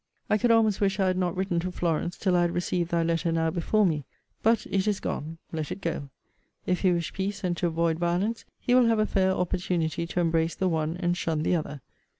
I could almost wish I had not written to Florence till I had received thy letter now before me. But it is gone. Let it go. If he wish peace, and to avoid violence, he will have a fair opportunity to embrace the one, and shun the other.